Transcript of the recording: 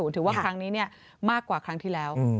ถือว่าครั้งนี้มากกว่าครั้งที่แล้ว